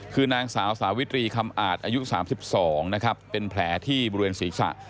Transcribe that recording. คือนางสาวสาวิตรีคำอาจอายุ๓๒นะครับเป็นแผลที่บริเวณศีรษะ